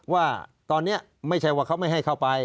ว่าตอนนี้ไม่ใช่ว่าเขาไม่ให้เข้าไป